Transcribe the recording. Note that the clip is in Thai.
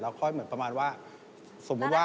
ค่อยเหมือนประมาณว่าสมมุติว่า